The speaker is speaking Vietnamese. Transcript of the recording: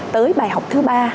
tới bài học thứ ba